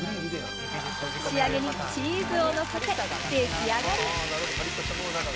仕上げにチーズをのせて、できあがり。